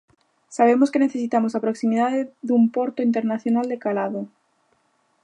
Sabemos que necesitamos a proximidade dun porto internacional de calado.